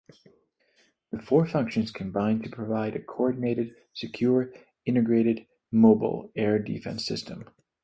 The four functions combine to provide a coordinated, secure, integrated, mobile air defense system.